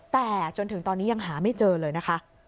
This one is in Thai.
แต่จนถึงตอนนี้ยังหาไม่เจอเลยนะคะ